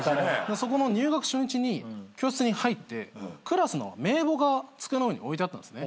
そこの入学初日に教室に入ってクラスの名簿が机の上に置いてあったんですね。